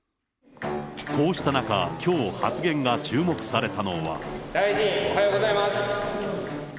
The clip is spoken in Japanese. こうした中、きょう、発言が大臣、おはようございます。